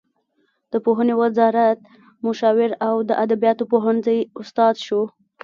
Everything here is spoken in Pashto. د پوهنې وزارت مشاور او د ادبیاتو پوهنځي استاد شو.